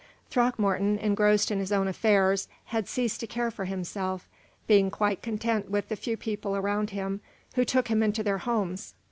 Throckmorton, engrossed with his own affairs, had ceased to care for himself, being quite content with the few people around him who took him into their homes.